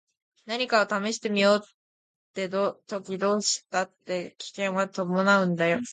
何かを試してみようって時どうしたって危険は伴うんだよ。